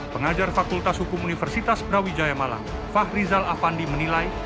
pengajar fakultas hukum universitas brawijaya malang fahrizal afandi menilai